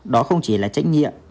đó không chỉ là trách nhiệm